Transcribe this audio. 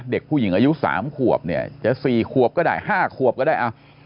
เด็กผู้หญิงอายุ๓ขวบเนี่ยจะ๔ขวบก็ได้๕ขวบก็ได้